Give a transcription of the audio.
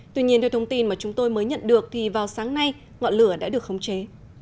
tuy nhiên theo thông tin mà chúng tôi mới nhận được thì vào sáng nay ngọn lửa đã được khống chế